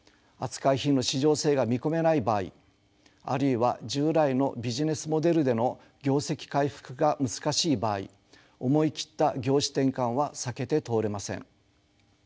扱い品の市場性が見込めない場合あるいは従来のビジネスモデルでの業績回復が難しい場合思い切った業種転換は避けて通れません。